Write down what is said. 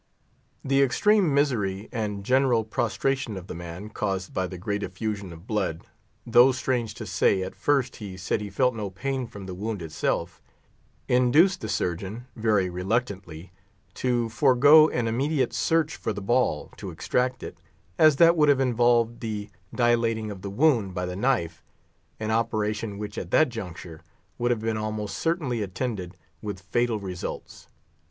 The extreme misery and general prostration of the man, caused by the great effusion of blood—though, strange to say, at first he said he felt no pain from the wound itself—induced the Surgeon, very reluctantly, to forego an immediate search for the ball, to extract it, as that would have involved the dilating of the wound by the knife; an operation which, at that juncture, would have been almost certainly attended with fatal results.